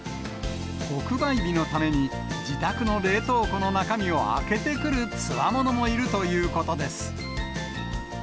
特売日のために、自宅の冷凍庫の中身を空けてくるつわものもいるということです。